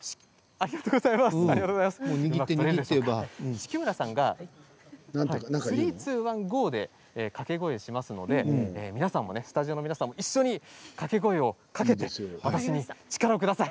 敷村さんが３、２、１で掛け声をしますのでスタジオの皆さんも、一斉に掛け声をかけて力をください。